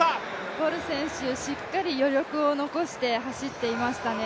ボル選手、しっかり余力を残して走っていましたね。